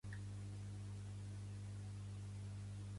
Prové d'una família sorda des de fa ja quatre generacions d'origen jueu.